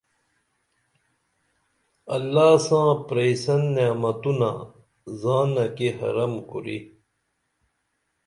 اللہ ساں پرئیسن نعمتونہ زانہ کی حرم کُری